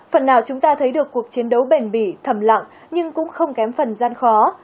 phần nào chúng ta thấy được cuộc chiến đấu bền bỉ thầm lặng nhưng cũng không kém phần gian khó